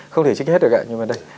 không thể trích hết được ạ nhưng mà đây